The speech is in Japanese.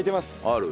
ある？